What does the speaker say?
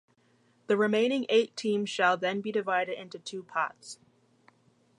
The remaining eight teams shall then be divided into two pots.